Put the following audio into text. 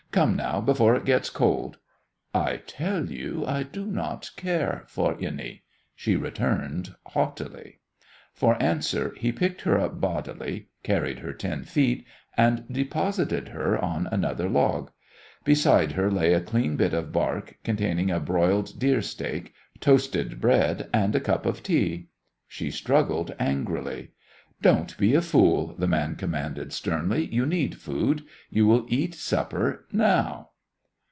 "Come now, before it gets cold." "I tell you I do not care for any," she returned, haughtily. For answer he picked her up bodily, carried her ten feet, and deposited her on another log. Beside her lay a clean bit of bark containing a broiled deer steak, toasted bread, and a cup of tea. She struggled angrily. "Don't be a fool," the man commanded, sternly, "you need food. You will eat supper, now!"